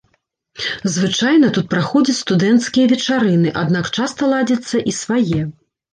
Звычайна тут праходзяць студэнцкія вечарыны, аднак часта ладзяцца і свае.